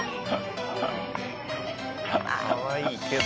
かわいいけど。